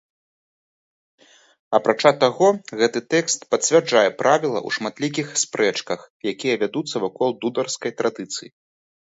Апрача таго, гэты тэкст пацвярджае правіла ў шматлікіх спрэчках, якія вядуцца вакол дударскай традыцыі.